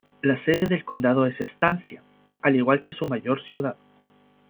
La sede del condado es Estancia, al igual que su mayor ciudad.